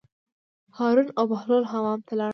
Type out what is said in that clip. هارون او بهلول حمام ته لاړل.